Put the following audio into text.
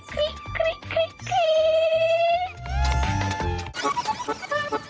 คลิ๊กคลิ๊กคลิ๊กคลิ๊ก